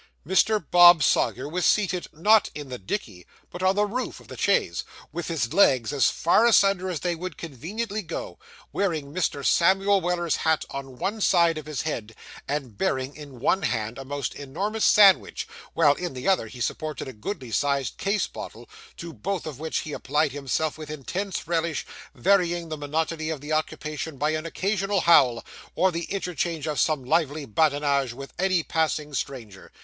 Mr. Bob Sawyer was seated, not in the dickey, but on the roof of the chaise, with his legs as far asunder as they would conveniently go, wearing Mr. Samuel Weller's hat on one side of his head, and bearing, in one hand, a most enormous sandwich, while, in the other, he supported a goodly sized case bottle, to both of which he applied himself with intense relish, varying the monotony of the occupation by an occasional howl, or the interchange of some lively badinage with any passing stranger.